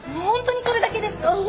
本当にそれだけですか？